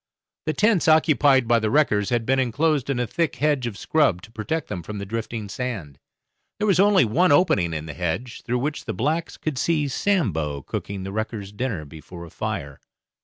The tents occupied by the wreckers had been enclosed in a thick hedge of scrub to protect them from the drifting sand. There was only one opening in the hedge, through which the blacks could see Sambo cooking the wreckers' dinner before a fire.